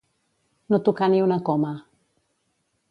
No tocar ni una coma.